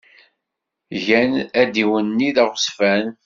Gan adiwenni d aɣezfan.